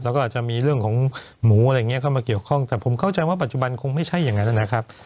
แล้วก็อาจจะมีเรื่องของหมูอะไรอย่างนี้เข้ามาเกี่ยวข้องแต่ผมเข้าใจว่าปัจจุบันคงไม่ใช่อย่างนั้นนะครับ